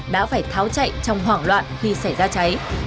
đã phải tháo chạy trong hoảng loạn khi xảy ra cháy